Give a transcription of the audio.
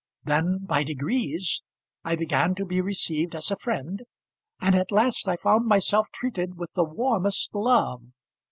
Then by degrees I began to be received as a friend, and at last I found myself treated with the warmest love.